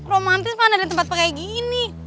romantis mah gak ada tempat kayak gini